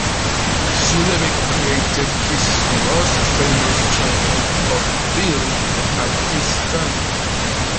Zulevic created his most famous character of "Billy" at this time.